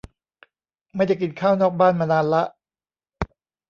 ไม่ได้กินข้าวนอกบ้านมานานละ